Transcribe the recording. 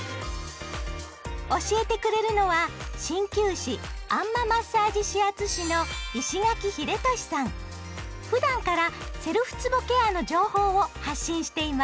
教えてくれるのは鍼灸師あん摩マッサージ指圧師のふだんからセルフつぼケアの情報を発信しています。